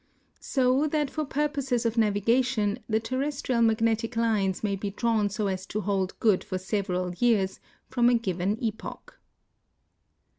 So that for purposes of navigation, the terrestrial magnetic lines may be drawn so as to hold good for several years from a given epoch.